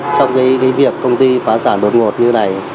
trong cái việc công ty phá sản bột ngột như này